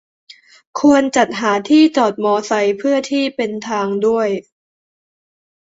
ควรจัดหาที่จอดมอไซค์เพื่อที่เป็นทางด้วย